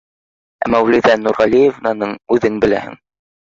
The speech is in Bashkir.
Ә Мәүлиҙә Нурғәлиевнаны үҙең беләһең.